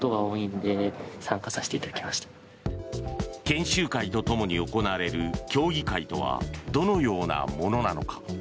研修会とともに行われる競技会とはどのようなものなのか。